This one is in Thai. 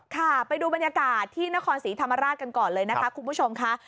ค่ะไปดูบรรยากาศที่นครศรีธรรมราชกันก่อนเลยนะคะคุณผู้ชมค่ะ